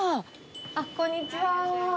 あっ、こんにちは。